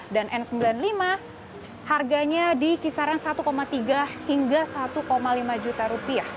dan n sembilan puluh lima harganya di kisaran rp satu tiga hingga rp satu lima juta